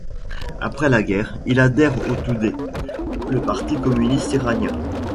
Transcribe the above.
Après la guerre, il adhère au Toudeh, le parti communiste iranien.